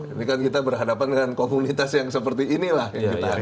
ini kan kita berhadapan dengan komunitas yang seperti inilah yang kita harapkan